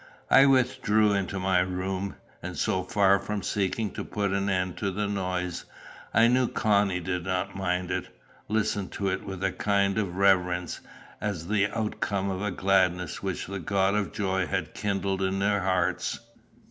I withdrew into my room; and so far from seeking to put an end to the noise I knew Connie did not mind it listened to it with a kind of reverence, as the outcome of a gladness which the God of joy had kindled in their hearts.